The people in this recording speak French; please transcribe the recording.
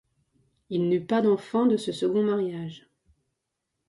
Il n'eut pas d'enfants de ce second mariage.